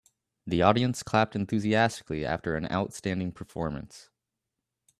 The audience clapped enthusiastically after an outstanding performance.